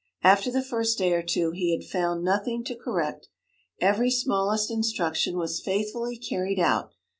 After the first day or two he had found nothing to correct; every smallest instruction was faithfully carried out.